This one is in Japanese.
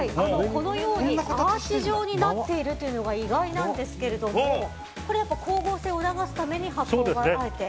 このようにアーチ状になっているというのが意外なんですけれども光合成を促すために、あえて？